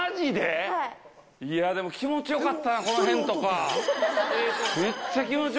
いやでも気持ちよかったよ、この辺とか。